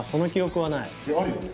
あるよね？